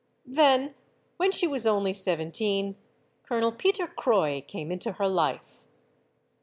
Then, when she was only seventeen, Colonel Peter Croix came into her life.